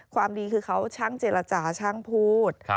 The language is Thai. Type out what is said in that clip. ความดีคือเขาช่างเจรจาช่างพูด